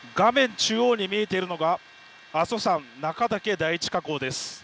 中央に見えているのが阿蘇山中岳第一火口です。